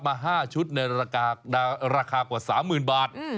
มา๕ชุดในราคากว่า๓๐๐๐บาท